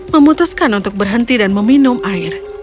memutuskan untuk berhenti dan meminum air